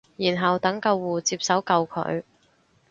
然後等救護接手救佢